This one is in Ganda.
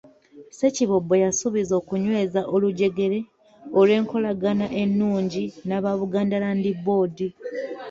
Ssekiboobo yasuubizza okunyweza olujegere olw'enkolagana ennungi n’aba Buganda Land Board.